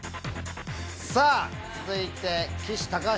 さぁ続いて。